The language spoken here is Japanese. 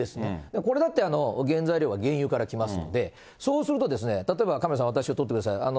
これだって原材料は原油から来ますので、そうすると、例えばカメラさん、私を撮ってください。